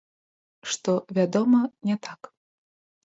Што, вядома, не так.